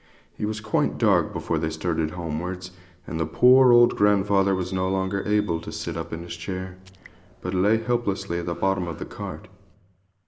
It was quite dark before they started homewards, and the poor old grandfather was no longer able to sit up in his chair, but lay helplessly at the bottom of the cart.